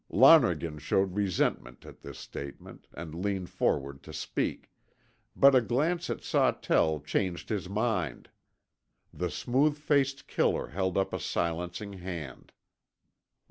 Lonergan showed resentment at this statement, and leaned forward to speak, but a glance at Sawtell changed his mind. The smooth faced killer held up a silencing hand.